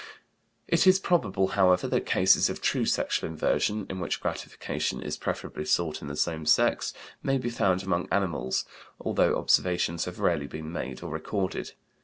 It is probable, however, that cases of true sexual inversion in which gratification is preferably sought in the same sex may be found among animals, although observations have rarely been made or recorded.